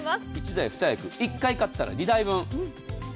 １台２役１台買ったら２台分。